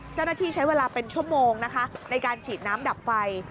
เจ้าหน้าที่ใช้เวลาเป็นชั่วโมงนะคะในการฉีดน้ำดับไฟ